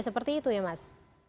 seperti itu ya mas